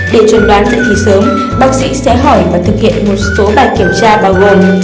để chuẩn đoán dự thi sớm bác sĩ sẽ hỏi và thực hiện một số bài kiểm tra bao gồm